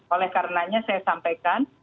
oleh karenanya saya sampaikan